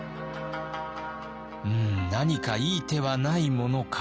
「うん何かいい手はないものか」。